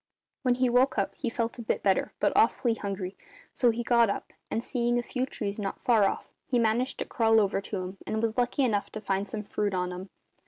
"When he woke up he felt a bit better, but awfully hungry, so he got up and, seeing a few trees not far off, he managed to crawl over to 'em, and was lucky enough to find some fruit on 'em.